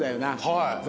はい。